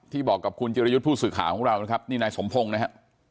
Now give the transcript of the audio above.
บอกกับคุณจิรยุทธ์ผู้สื่อข่าวของเรานะครับนี่นายสมพงศ์นะฮะ